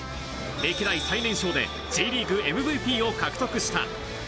歴代最年少でＪリーグＭＶＰを獲得した。